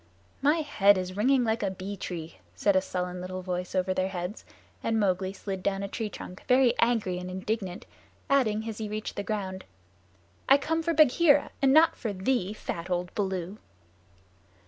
"My head is ringing like a bee tree," said a sullen little voice over their heads, and Mowgli slid down a tree trunk very angry and indignant, adding as he reached the ground: "I come for Bagheera and not for thee, fat old Baloo!"